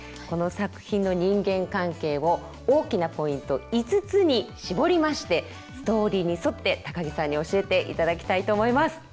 この作品の人間関係を大きなポイント５つに絞りましてストーリーに沿って高木さんに教えていただきたいと思います。